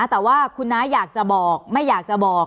แต่ว่าคุณน้าอยากจะบอกไม่อยากจะบอก